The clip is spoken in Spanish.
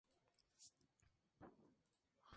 Ambos reactores nucleares fueron cerrados.